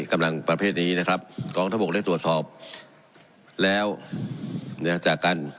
กำลังประเภทนี้นะครับกองทบกได้ตรวจสอบแล้วเนี่ยจากการ